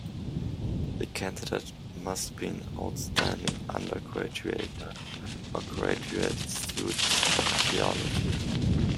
The candidate must be an outstanding undergraduate or graduate student in archaeology.